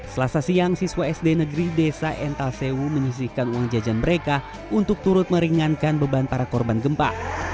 selasa siang siswa sd negeri desa ental sewu menyisihkan uang jajan mereka untuk turut meringankan beban para korban gempa